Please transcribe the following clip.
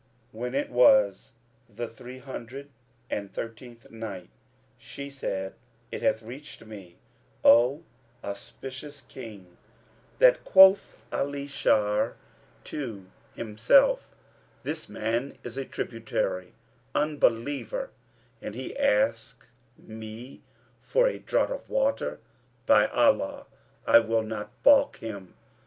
When it was the Three Hundred and Thirteenth Night, She said, It hath reached me, O auspicious King, that quoth Ali Shar to himself, "This man is a tributary Unbeliever and he asked me for a draught of water; by Allah, I will not baulk him!"